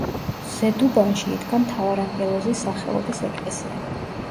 ზედუბანში იდგა მთავარანგელოზის სახელობის ეკლესია.